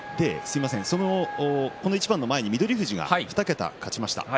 この一番の前に翠富士が２桁勝ちました。